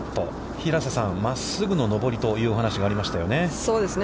平瀬さん、真っすぐの上りというお話がありましたよね。